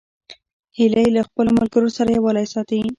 هیلۍ له خپلو ملګرو سره یووالی ساتي